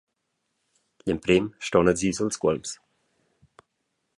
Gl’emprem ston els ir suls cuolms.